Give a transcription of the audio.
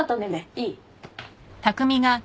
いい？